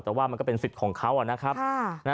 แต่ว่ามันก็เป็นสิทธิ์ของเขานะครับ